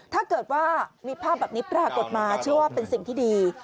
ถ้าเกิดว่ามีภาพแบบนี้ปรากฏมาเชื่อว่าเป็นสิ่งที่ดี